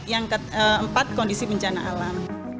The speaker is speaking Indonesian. yang keempat kondisi bencana alam